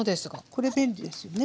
これ便利ですよね。